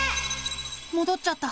もどっちゃった。